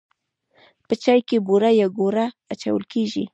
په چای کې بوره یا ګوړه اچول کیږي.